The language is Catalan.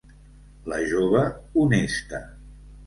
La jove, honesta.